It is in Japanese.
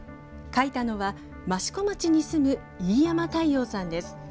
描いたのは、益子町に住む飯山太陽さんです。